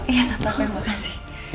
iya tante terima kasih